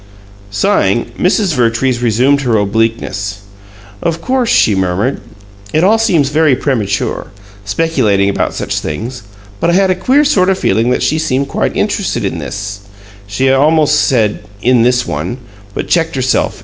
Sighing, Mrs. Vertrees resumed her obliqueness. "Of course," she murmured, "it all seems very premature, speculating about such things, but I had a queer sort of feeling that she seemed quite interested in this " She had almost said "in this one," but checked herself.